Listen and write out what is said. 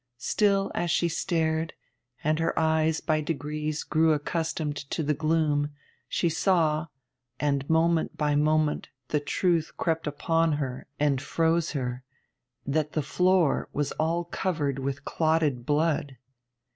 Still, as she stared, and her eyes by degrees grew accustomed to the gloom, she saw and moment by moment the truth crept upon her and froze her that the floor was all covered with clotted blood.